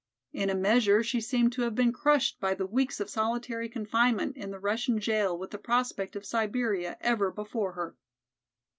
In a measure she seemed to have been crushed by the weeks of solitary confinement in the Russian jail with the prospect of Siberia ever before her.